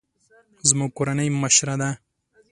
زموږ کورنۍ مشره ده